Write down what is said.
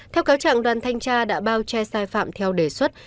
theo cáo trạng đoàn thanh tra đã bao che sai phạm theo đề xuất